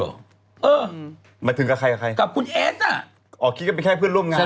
หมายถึงกับใครกับใครกับคุณเอสน่ะอ๋อคิดก็เป็นแค่เพื่อนร่วมงาน